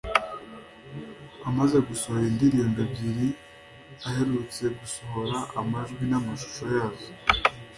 Amaze gusohora indirimbo ebyiri aherutse gusohora amajwi n’amashusho yazo